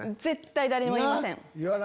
絶対誰にも言いません。